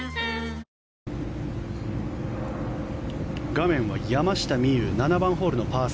画面は山下美夢有７番ホールのパー３。